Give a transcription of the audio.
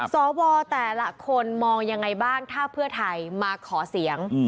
สวแต่ละคนมองยังไงบ้างถ้าเพื่อไทยมาขอเสียง